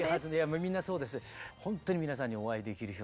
みんなそうです。